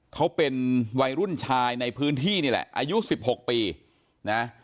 เขาเป็นวัยรุ่นชายในพื้นที่นี่แหละอายุ๑๖ปีนะ